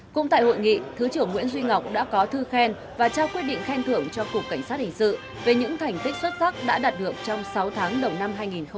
cũng tại hội nghị thứ trưởng nguyễn duy ngọc đã có thư khen và trao quyết định khen thưởng cho cục cảnh sát hình sự về những thành tích xuất sắc đã đạt được trong sáu tháng đầu năm hai nghìn hai mươi ba